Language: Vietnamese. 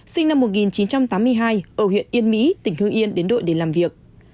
sinh năm một nghìn chín trăm tám mươi hai ở huyện yên mỹ tỉnh hương yên đến đội để làm việc